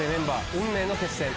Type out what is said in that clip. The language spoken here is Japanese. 運命の決戦。